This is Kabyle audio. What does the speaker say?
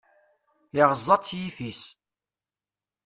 Iɣeẓẓa-t yiffis.